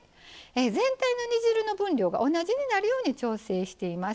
全体の煮汁の分量が同じになるように調整しています。